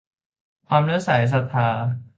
ความเลื่อมใสศรัทธา